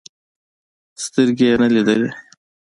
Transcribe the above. سترګې يې نه لیدلې.